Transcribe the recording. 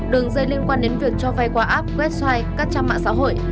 đường dây liên quan đến việc cho vay qua app website các trang mạng xã hội